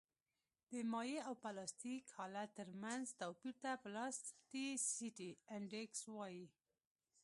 د مایع او پلاستیک حالت ترمنځ توپیر ته پلاستیسیتي انډیکس وایي